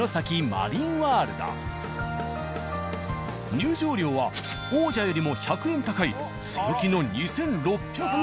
入場料は王者よりも１００円高い強気の２，６００円。